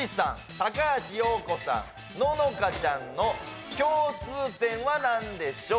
高橋洋子さんののかちゃんの共通点は何でしょう？